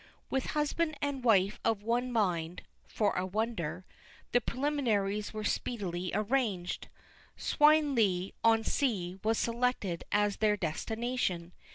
With husband and wife of one mind (for a wonder), the preliminaries were speedily arranged. Swineleigh on Sea was selected as their destination.